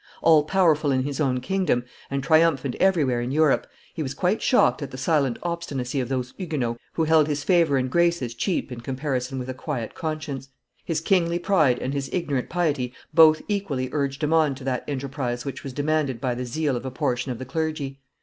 All powerful in his own kingdom, and triumphant everywhere in Europe, he was quite shocked at the silent obstinacy of those Huguenots who held his favor and graces cheap in comparison with a quiet conscience; his kingly pride and his ignorant piety both equally urged him on to that enterprise which was demanded by the zeal of a portion of the clergy.